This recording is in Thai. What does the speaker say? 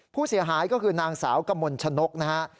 ผู้เสียหายก็คือนางสาวกับมนต์ชะนกนะครับ